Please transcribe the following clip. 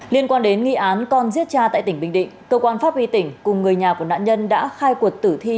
liên quan đến nghi án con giết cha tại tỉnh bình định cơ quan pháp y tỉnh cùng người nhà của nạn nhân đã khai quật tử thi